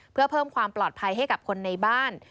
เพื่อเพิ่มความปลอดภัยให้กับคนในบ้าน